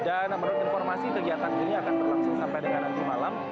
dan menurut informasi kegiatan ini akan berlangsung sampai dengan nanti malam